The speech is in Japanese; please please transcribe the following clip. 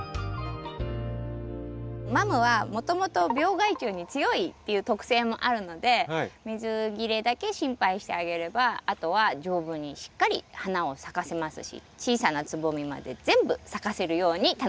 マムはもともと病害虫に強いっていう特性もあるので水切れだけ心配してあげればあとは丈夫にしっかり花を咲かせますし小さなつぼみまで全部咲かせるように楽しんで下さい。